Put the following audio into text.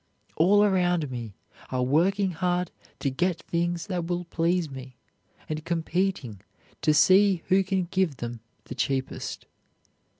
All around me are working hard to get things that will please me, and competing to see who can give them the cheapest.